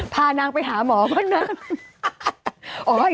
พานางไปหาหมอพ่อนั่น